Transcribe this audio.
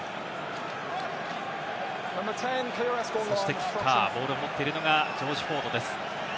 そしてキッカー、ボールを持っているのがジョージ・フォードです。